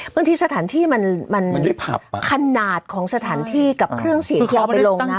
บางทีสถานที่มันข้างหนาดของสถานที่กับเครื่องสีเคี้ยวเอาไปลงนะ